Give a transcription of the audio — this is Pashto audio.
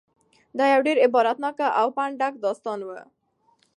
دا یو ډېر عبرتناک او د پند نه ډک داستان و.